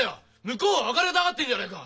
向こうは別れたがってんじゃねえか。